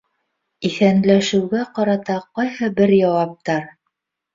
Иҫәнләшеүгә ҡарата ҡайһы бер яуаптар